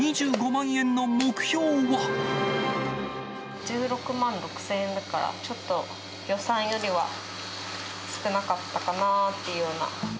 １６万６０００円だから、ちょっと予想よりは少なかったかなっていうような。